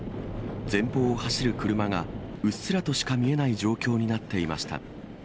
前方を走る車がうっすらとしか見えない状況になっていました。